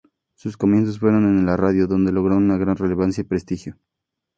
Sus comienzos fueron en la radio, donde logró una gran relevancia y prestigio.